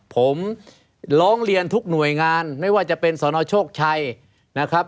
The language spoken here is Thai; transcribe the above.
ผมร้องเรียนทุกหน่วยงานไม่ว่าจะเป็นสนโชคชัยนะครับ